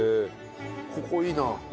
ここいいな。